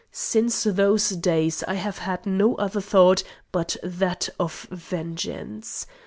Since those days I have had no other thought but that of vengeance.